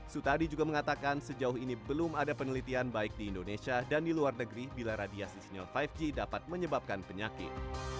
sutadi juga mengatakan sejauh ini belum ada penelitian baik di indonesia dan di luar negeri bila radiasi senior lima g dapat menyebabkan penyakit